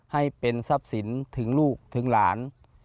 ให้เป็นทรัพย์สินถึงลูกถึงหลาน